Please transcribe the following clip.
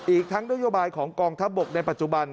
อีกทั้งนโยบายของกองทัพบกในปัจจุบัน